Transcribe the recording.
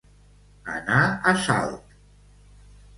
Anar a Salt.